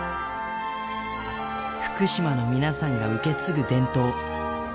福島の皆さんが受け継ぐ伝統。